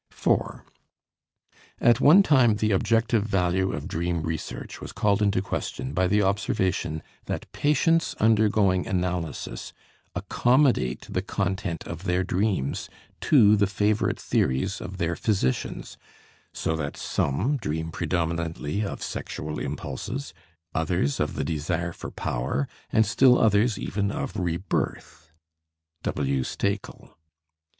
4. At one time the objective value of dream research was called into question by the observation that patients undergoing analysis accommodate the content of their dreams to the favorite theories of their physicians, so that some dream predominantly of sexual impulses, others of the desire for power and still others even of rebirth (W. Stekel).